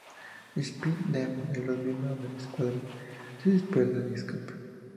Speed Demon y los miembros del Escuadrón se dispersan y escapan.